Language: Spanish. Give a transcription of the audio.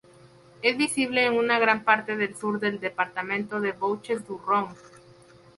Es visible en una gran parte del sur del departamento de Bouches-du-Rhône.